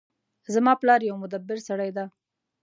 زما پلار یو مدبر سړی ده